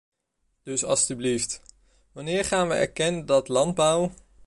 Dus alstublieft, wanneer gaan we erkennen dat landbouw...